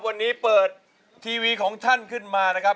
วันนี้เปิดทีวีของท่านขึ้นมานะครับ